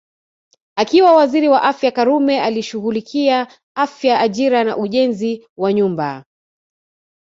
Akiwa Waziri wa Afya Karume alishughulikia Afya Ajira na Ujenzi wa Nyumba